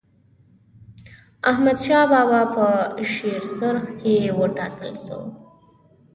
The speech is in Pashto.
احمدشاه بابا په شیرسرخ کي و ټاکل سو.